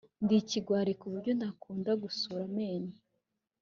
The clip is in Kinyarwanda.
Ndi ikigwari kuburyo ntakunda gusura amenyo